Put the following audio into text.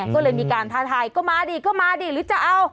ก็เลยมีการท้าทายก็มาดิก็มาดิหรือจะเอา